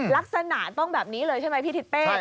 ลักษณะต้องแบบนี้เลยใช่ไหมพี่ทิศเป้